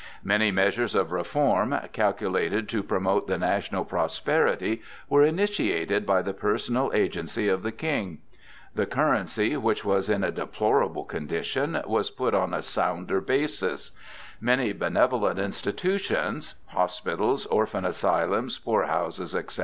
Many measures of reform, calculated to promote the national prosperity, were initiated by the personal agency of the King. The currency, which was in a deplorable condition, was put on a sounder basis; many benevolent institutions—hospitals, orphan asylums, poor houses, etc.